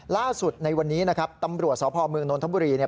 ล่าสุดในวันนี้นะครับตำรวจสพเมืองนนทบุรีเนี่ย